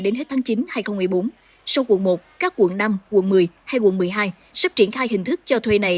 đến hết tháng chín hai nghìn một mươi bốn sau quận một các quận năm quận một mươi hay quận một mươi hai sắp triển khai hình thức cho thuê này